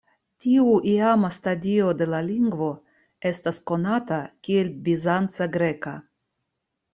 Tiu iama stadio de la lingvo estas konata kiel bizanca greka.